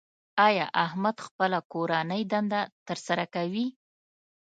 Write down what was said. ایا احمد خپله کورنۍ دنده تر سره کوي؟